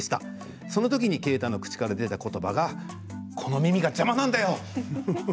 そのときに啓太の口から出たことばがこの耳が邪魔なんだよ！でした。